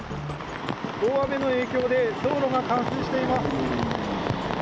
大雨の影響で道路が冠水しています。